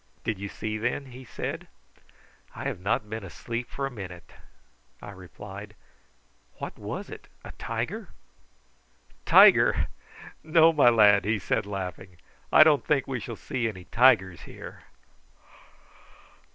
"Did you see, then?" he said. "I have not been asleep for a single minute," I replied. "What was it a tiger?" "Tiger! No, my lad," he said, laughing; "I don't think we shall see any tigers here.